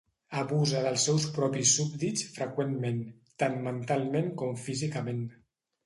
Abusa dels seus propis súbdits freqüentment tant mentalment com físicament.